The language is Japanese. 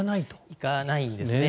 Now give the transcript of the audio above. いかないんですね。